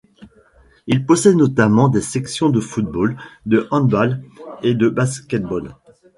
Il possède notamment des sections de football, de handball et de basket-ball.